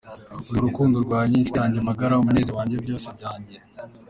Uri urukundo rwanjye, inshuti yanjye magara, umunezero wanjye, byose byanjye.